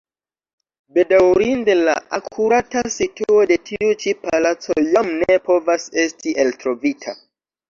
Bedaŭrinde la akurata situo de tiu ĉi palaco jam ne povas esti eltrovita.